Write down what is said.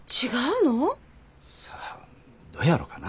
さあどうやろかな。